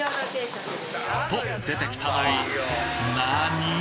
と出てきたのは何！？